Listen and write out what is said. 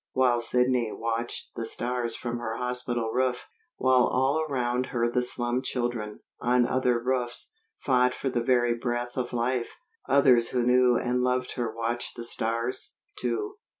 While Sidney watched the stars from her hospital roof, while all around her the slum children, on other roofs, fought for the very breath of life, others who knew and loved her watched the stars, too.